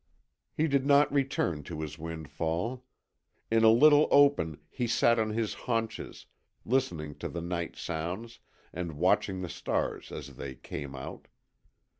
He did not return to his windfall. In a little open he sat on his haunches, listening to the night sounds, and watching the stars as they came out.